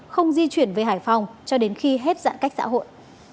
không di chuyển về hải phòng cho đến khi hết giãn cách xã hội